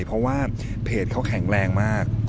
เพราะว่าเพจเขาแข็งแรงมาก